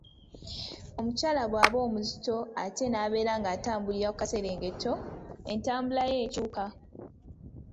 Omukyala bw’aba omuzito ate n’abeera ng’atambulira ku kaserengeto, entambula ye ekyuka.